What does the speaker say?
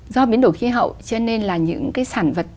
do biến đổi khí hậu cho nên là những cái sản vật